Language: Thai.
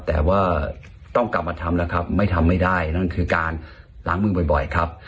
แต่ว่าต้องกลับมาทำแล้วครับไม่ทำไม่ได้นั่นคือการล้างมือบ่อยครับ